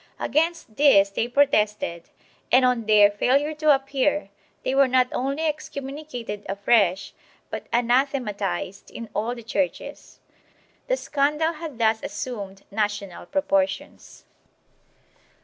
Against this they pro tested and, on their failure to appear, they were not only excom municated afresh but anathematized in all the churches. The scandal had thus assumed national proportions.